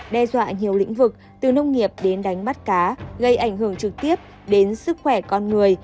đe dọa nhiều lĩnh vực từ nông nghiệp đến đánh bắt cá gây ảnh hưởng trực tiếp đến sức khỏe con người